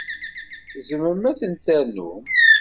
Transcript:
Tzemrem ad ten-ternum.